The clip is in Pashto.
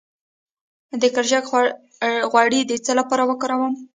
د کرچک غوړي د څه لپاره وکاروم؟